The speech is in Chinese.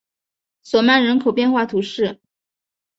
索曼人口变化图示